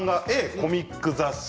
コミック雑誌？